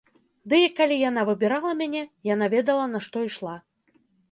Ды і калі яна выбірала мяне, яна ведала на што ішла.